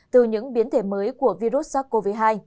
từ những biến thể mới của virus sars cov hai